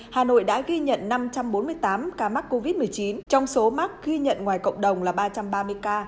hà nội đã ghi nhận năm trăm bốn mươi tám ca mắc covid một mươi chín trong số mắc ghi nhận ngoài cộng đồng là ba trăm ba mươi ca